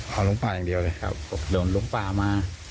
หลุกป่าอย่างเดียวครับครับหลุกป่ามา